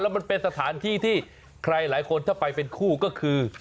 มันเป็นสถานที่ที่ใครหลายคนถ้าไปเป็นคู่ก็คือ